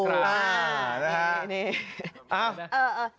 ค่ะนี่